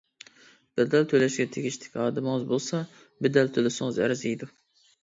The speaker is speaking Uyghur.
بەدەل تۆلەشكە تېگىشلىك ئادىمىڭىز بولسا، بەدەل تۆلىسىڭىز ئەرزىيدۇ.